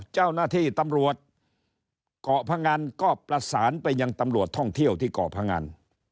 เจ้าหน้าที่ตำรวจเกาะพงันก็ประสานไปยังตำรวจท่องเที่ยวที่เกาะพงัน